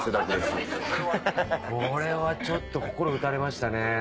これはちょっと心打たれましたね。